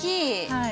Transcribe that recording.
はい。